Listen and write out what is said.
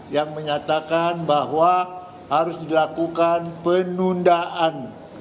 yang menyatakan bahwa harus dilakukan penundaan